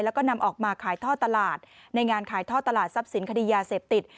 แล้วก็นำออกมาขายท่อตลาดในงานขายท่อตลาดทรัพย์สินคดียาเสพติด